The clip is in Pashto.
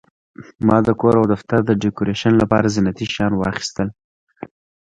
ما د کور او دفتر د ډیکوریشن لپاره زینتي شیان واخیستل.